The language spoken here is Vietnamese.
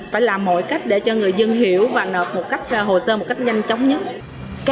phải làm mọi cách để cho người dân hiểu và nợp một cách hồ sơ một cách nhanh chóng nhất